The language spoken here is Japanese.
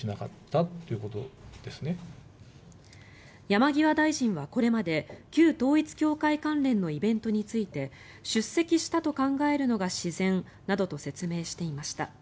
山際大臣はこれまで旧統一教会関連のイベントについて出席したと考えるのが自然などと説明していました。